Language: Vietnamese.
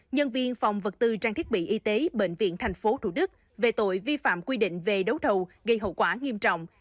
nhân viên phòng vật tư trang thiết bị y tế bệnh viện tp thủ đức về tội vi phạm quy định về đấu thầu gây hậu quả nghiêm trọng